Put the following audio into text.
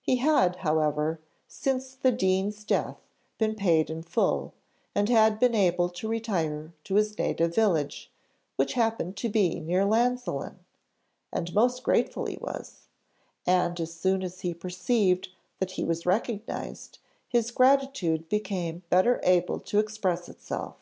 He had, however, since the dean's death, been paid in full, and had been able to retire to his native village, which happened to be near Llansillen, and most grateful he was; and as soon as he perceived that he was recognised, his gratitude became better able to express itself.